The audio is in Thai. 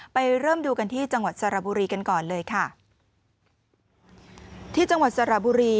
เริ่มดูกันที่จังหวัดสระบุรีกันก่อนเลยค่ะที่จังหวัดสระบุรี